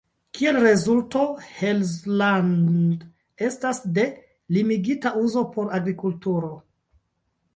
Kiel rezulto, Holzland estas de limigita uzo por agrikulturo.